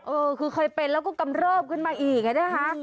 เออคือเคยเป็นแล้วก็กำเริบขึ้นมาอีกนะคะ